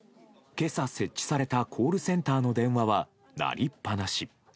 今朝、設置されたコールセンターの電話は鳴りっぱなし。